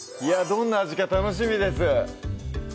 どんな味か楽しみです